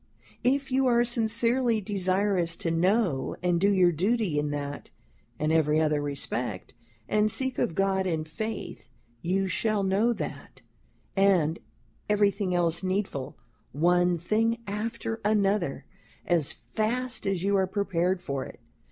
If you are sincerely desirous to know and do your duty in that and every other respect, and seek of God in Faith, you shall know that, and everything else needful, one thing after another, as fast as you are prepared for it.